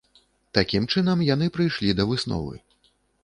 Такім чынам, яны прыйшлі да высновы.